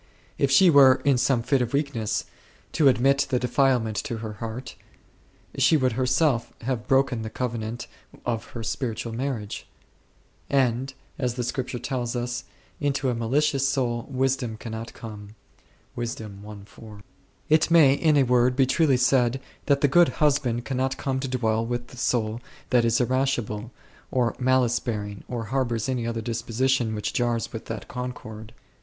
If she were, in some fit of weakness, to admit the defilement to her heart, she would herself have broken the covenant of her spiritual marriage ; and, as the Scripture tells us, " into the malicious soul Wisdom cannot come5." It may, in a word, be truly said that the Good Husband cannot come to dwell with the soul that is irascible, or malice bearing, or harbours any other disposition which jars with that concord.